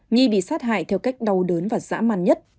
nhi bị sát hại theo cách đau đớn và dã man nhất